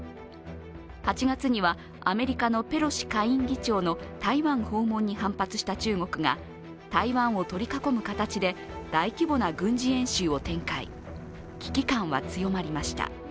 ８月には、アメリカのペロシ下院議長の台湾訪問に反発した中国が台湾を取り囲む形で大規模な軍事演習を展開、危機感は強まりました。